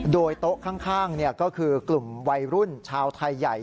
โดยโต๊ะข้างก็คือกลุ่มวัยรุ่นชาวไทยใหญ่